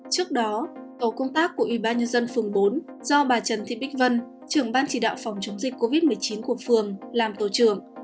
trước đó tổ công tác của ubnd phường bốn do bà trần thi bích vân trưởng ban chỉ đạo phòng chống dịch covid một mươi chín của phường làm tổ trưởng